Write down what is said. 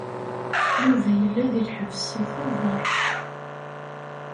Yuba yella deg lḥebs seg Tubeṛ.